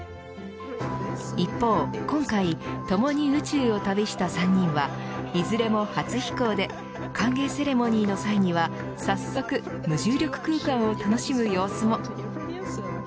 一方、今回ともに宇宙を旅した３人はいずれも初飛行で歓迎セレモニーの際には早速無重力空間を楽しむ様子も。